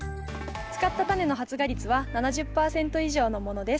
使ったタネの発芽率は７０％以上のものです。